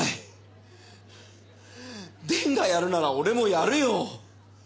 伝がやるなら俺もやるよ。